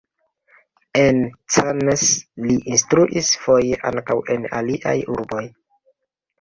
En Cannes li instruis, foje ankaŭ en aliaj urboj.